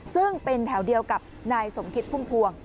ซึ่งเป็นแถวเดียวกับนายสมคิดพุ่มพวง